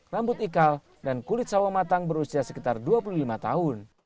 rambut ikal dan kulit sawah matang berusia sekitar dua puluh lima tahun